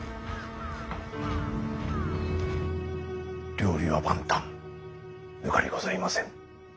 料理は万端ぬかりございません。